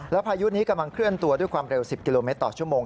พายุนี้กำลังเคลื่อนตัวด้วยความเร็ว๑๐กิโลเมตรต่อชั่วโมง